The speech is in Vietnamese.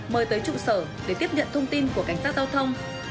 mời tới trụ sở để tiếp nhận thông tin của cảnh sát giao thông